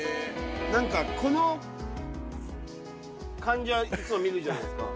何かこの感じはいつも見るじゃないですか。